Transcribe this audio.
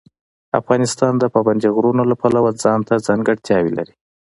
افغانستان د پابندي غرونو له پلوه ځانته ځانګړتیاوې لري.